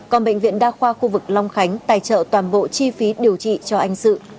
còn bệnh viện đa khoa khu vực long khánh tài trợ toàn bộ chi phí điều trị cho anh sự